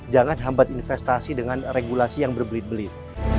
jangan hambat investasi dengan regulasi yang berbelit belit